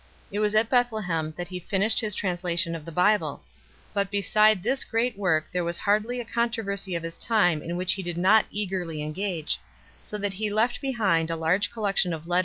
It was at Bethlehem that he finished his translation of the Bible. But beside this great work there was hardly a controversy of his time in which he did not eagerly engage, so that he left behind a large collection of letters and other writings. 1 Epistt.